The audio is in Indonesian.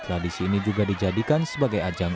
tradisi ini juga dijadikan sebagai ajang